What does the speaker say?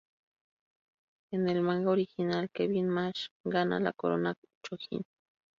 En el manga original, Kevin Mask gana la Corona Chojin.